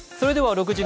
６時！